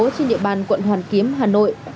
trên địa bàn quận hoàn kiếm hà nội